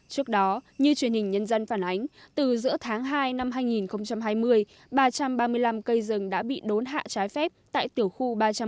trước đó như truyền hình nhân dân phản ánh từ giữa tháng hai năm hai nghìn hai mươi ba trăm ba mươi năm cây rừng đã bị đốn hạ trái phép tại tiểu khu ba trăm ba mươi